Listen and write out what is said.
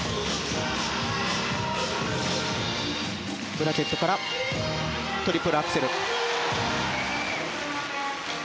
ブラケットからトリプルアクセル。